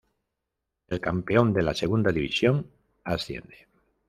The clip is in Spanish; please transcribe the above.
El campeón de la segunda división asciende.